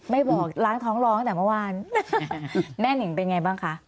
ไม่บอกล้างท้องร้องตั้งแต่เมื่อวานแม่นิงเป็นไงบ้างคะ